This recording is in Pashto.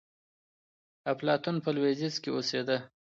افلاطون په لوېدیځ کي اوسېده.